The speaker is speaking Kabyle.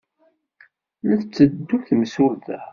La d-tetteddu temsulta!